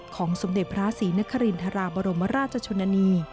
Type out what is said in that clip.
ของสมเด็จพระศรีนครีมธรรมาโรมราชชนนี